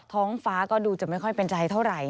ท้องฟ้าก็ดูจะไม่ค่อยเป็นใจเท่าไหร่